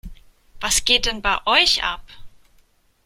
Was geht denn bei euch ab?